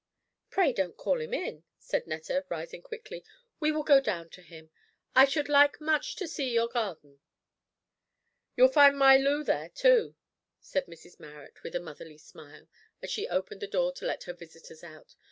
"Pray don't call him in," said Netta, rising quickly; "we will go down to him. I should like much to see your garden." "You'll find my Loo there, too," said Mrs Marrot with a motherly smile, as she opened the door to let her visitors out.